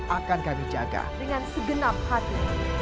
akan kami jaga dengan segenap hati